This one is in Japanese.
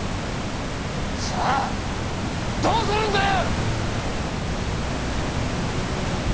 さあどうするんだよ！